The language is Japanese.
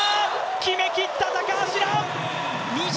決めきった、高橋藍！